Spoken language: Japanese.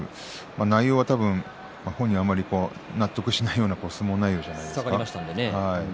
内容は本人は納得しないような相撲内容じゃないですか。